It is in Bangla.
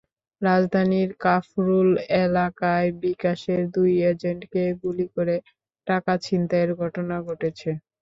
রাজধানীর কাফরুল এলাকায় বিকাশের দুই এজেন্টকে গুলি করে টাকা ছিনতাইয়ের ঘটনা ঘটেছে।